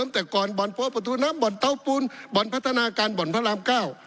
แต่ก่อนบอลโพรปฎูนะบอลเต้าปูนบอลพัฒนาการบอลพระรามเก้า